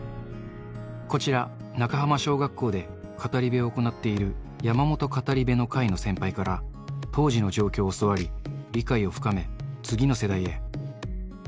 こちら、中浜小学校で語り部を行っているやまもと語りべの会の先輩から当時の状況を教わり、理解を深め、次の世代へ。